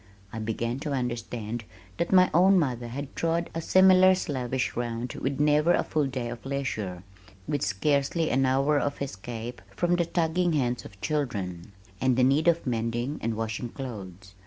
I began to understand that my own mother had trod a similar slavish round with never a full day of leisure, with scarcely an hour of escape from the tugging hands of children, and the need of mending and washing clothes.